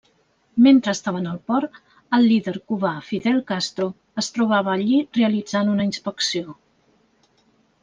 Mentre estaven al port, el líder cubà Fidel Castro es trobava allí realitzant una inspecció.